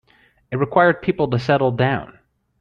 It required people to settle down.